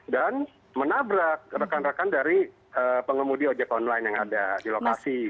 dan menabrak rekan rekan dari pengemudi ojek online yang ada di lokasi